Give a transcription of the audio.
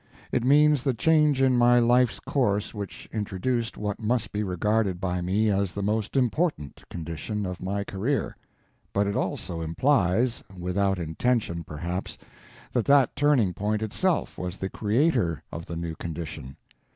It means the change in my life's course which introduced what must be regarded by me as the most _important _condition of my career. But it also implies—without intention, perhaps—that that turning point _itself _was the creator of the new condition.